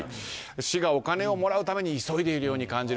市がお金をもらうために急いでいるように感じる。